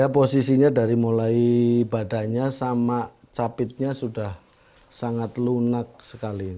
posisinya dari mulai badannya sama capitnya sudah sangat lunak sekali